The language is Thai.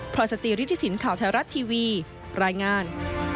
พลังสตรีฤทธิสินทร์ข่าวแท้รัฐทีวีรายงาน